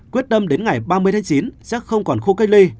quyết tâm đến ngày ba mươi tháng chín chắc không còn khu cây ly